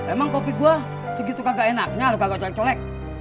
emang kopi gue segitu kagak enaknya loga colek colek